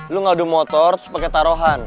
lu ngadu motor terus pakai taruhan